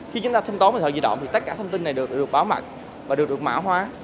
khi chúng ta thanh toán bằng điện thoại di động thì tất cả thông tin này được bảo mật và được mã hóa